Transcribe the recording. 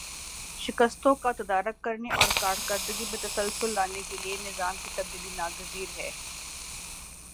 شکستوں کا تدارک کرنے اور کارکردگی میں تسلسل لانے کے لیے نظام کی تبدیلی ناگزیر ہے